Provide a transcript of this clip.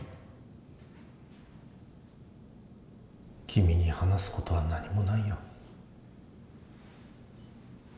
君に話すことは何もないよ。